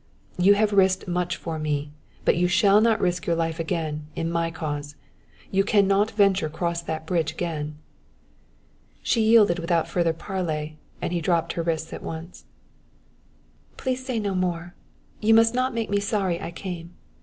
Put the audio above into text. "You have risked much for me, but you shall not risk your life again, in my cause. You can not venture cross that bridge again." She yielded without further parley and he dropped her wrists at once. "Please say no more. You must not make me sorry I came.